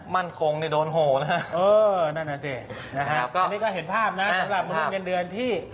มั่นคงโดนโหน